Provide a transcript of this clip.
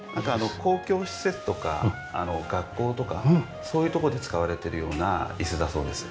公共施設とか学校とかそういう所で使われているような椅子だそうです。